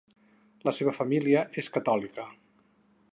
La seva família és catòlica.